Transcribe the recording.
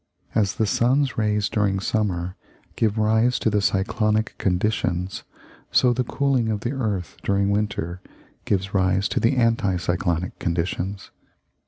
As the sun's rays during summer give rise to the cyclonic conditions, so the cooling of the earth during winter gives rise to anti cyclonic conditions.